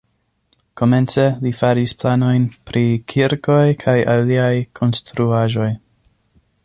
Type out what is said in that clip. Komence li faris planojn pri kirkoj kaj aliaj konstruaĵoj.